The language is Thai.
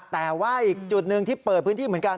แต่ว่าอีกจุดหนึ่งที่เปิดพื้นที่เหมือนกัน